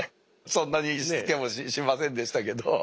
そんなにしつけもしませんでしたけど。